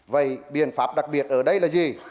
vậy biện pháp đặc biệt ở đây là gì